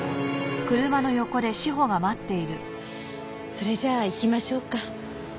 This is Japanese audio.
それじゃあ行きましょうか。